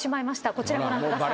こちらご覧ください。